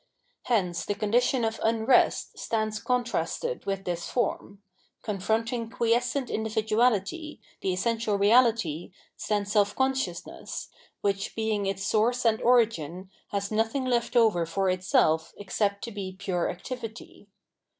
Hence the condition of unrest stands contrasted with this form; confronting quiescent individuahty, the essential reahty, stands self consciousness, which, being its source and origin, has nothing left over for itself except to be pure activity.